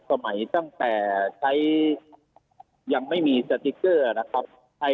สมัยตั้งแต่ใช้ยังไม่มีสติ๊กเกอร์นะครับ